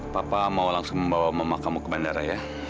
papa mau langsung membawa mama kamu ke bandara ya